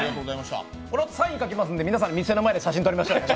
このあとサイン書きますんで、皆さん、店の前で写真撮りましょうよ。